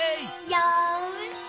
よし！